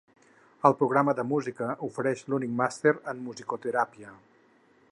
El programa de música ofereix l'únic Màster en Musicoteràpia.